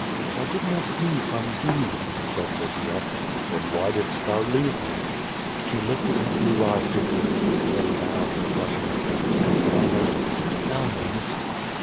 "I did not flee from thee," said Lygia. "Then why didst thou leave me?" She lifted her blue eyes to liis, then bowed her blushing face and murmured: "Thou knowest."